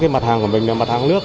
mặt hàng của mình là mặt hàng nước